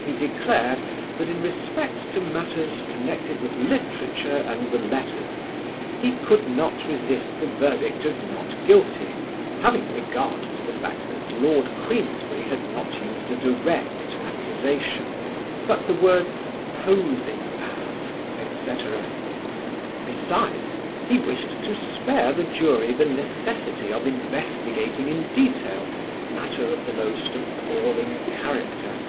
He declared that, in respect to matters connected with literature and the letters, he could not resist the verdict of "not guilty," having regard to the fact that Lord Queensberry had not used a direct accusation, but the words "posing as," etc. Besides, he wished to spare the jury the necessity of investigating in detail matter of the most appalling character.